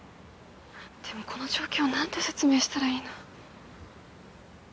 でもこの状況何て説明したらいいの？